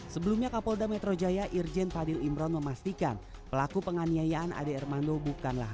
sebelumnya kapolda metro jaya irjen fadil imron memastikan pelaku penganiayaan ade armando bukanlah